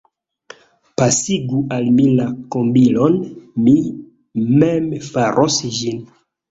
Pasigu al mi la kombilon, mi mem faros ĝin.